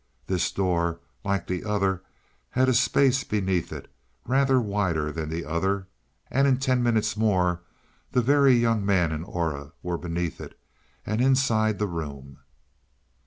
This door, like the other, had a space beneath it, rather wider than the other, and in ten minutes more the Very Young Man and Aura were beneath it, and inside the room.